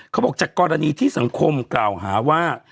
เขาบอกจากกรณีที่สังคมกล่าวหาว่า